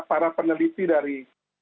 para peneliti dari